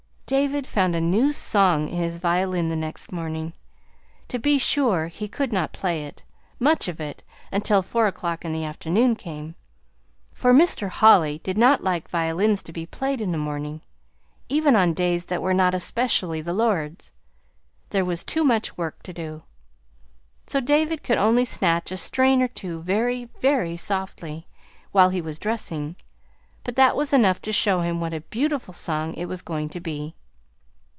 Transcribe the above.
David found a new song in his violin the next morning. To be sure, he could not play it much of it until four o'clock in the afternoon came; for Mr. Holly did not like violins to be played in the morning, even on days that were not especially the Lord's. There was too much work to do. So David could only snatch a strain or two very, very softly, while he was dressing; but that was enough to show him what a beautiful song it was going to be.